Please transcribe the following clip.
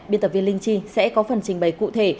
biên tập viên linh chi sẽ có phần trình bày cụ thể